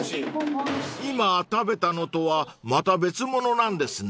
［今食べたのとはまた別物なんですね］